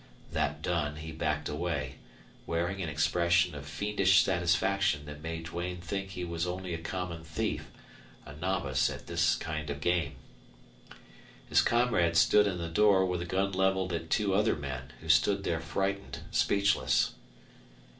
That done, he backed away, wearing an expression of fiendish satisfaction that made Duane think he was only a common thief, a novice at this kind of game. His comrade stood in the door with a gun leveled at two other men, who stood there frightened, speechless.